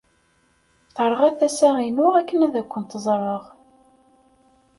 Terɣa tasa-inu akken ad kent-ẓreɣ.